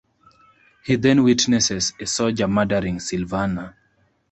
He then witnesses a soldier murdering Silvana.